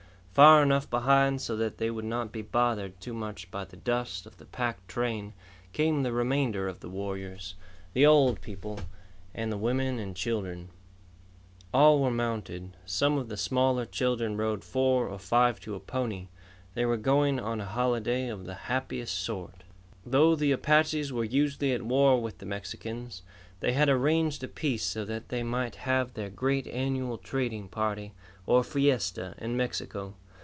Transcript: Far enough behind so that they would not be bothered too much by the dust of the pack train, came the remainder of the warriors, the old people, and the women and children. All were mounted. Some of the smaller children rode four or five to a pony. They were going on a holiday of the happiest sort. Though the Apaches were usually at war with the Mexicans, they had arranged a peace so that they might have their great annual trading party, or fiesta, in Mexico.